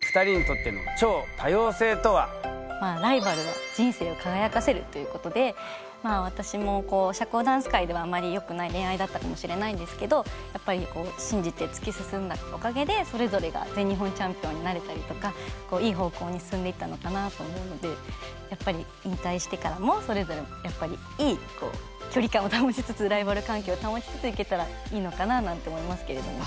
ライバルは人生を輝かせるということで私も社交ダンス界ではあんまりよくない恋愛だったかもしれないんですけどやっぱり信じて突き進んだおかげでそれぞれが全日本チャンピオンになれたりとかいい方向に進んでいったのかなと思うので引退してからもそれぞれやっぱりいい距離感を保ちつつライバル関係を保ちつついけたらいいのかななんて思いますけれども。